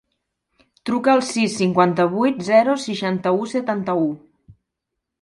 Truca al sis, cinquanta-vuit, zero, seixanta-u, setanta-u.